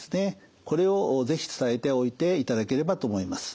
これを是非伝えておいていただければと思います。